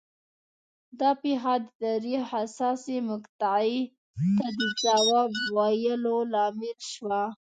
دا پېښه د تاریخ حساسې مقطعې ته د ځواب ویلو لامل شوه